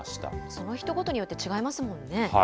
その人ごとによって違いますもんね。